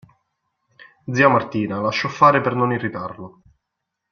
Zia Martina lasciò fare per non irritarlo.